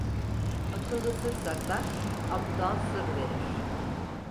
Akıllı sır saklar; aptal sır verir.